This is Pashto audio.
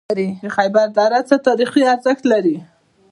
د خیبر دره څه تاریخي ارزښت لري؟